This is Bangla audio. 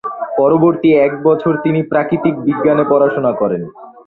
পরবর্তী এক বছর তিনি প্রাকৃতিক বিজ্ঞানে পড়াশোনা করেন।